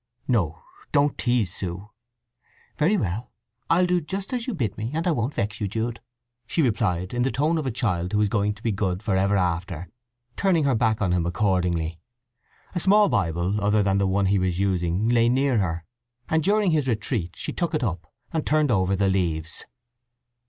"No. Don't tease, Sue!" "Very well—I'll do just as you bid me, and I won't vex you, Jude," she replied, in the tone of a child who was going to be good for ever after, turning her back upon him accordingly. A small Bible other than the one he was using lay near her, and during his retreat she took it up, and turned over the leaves.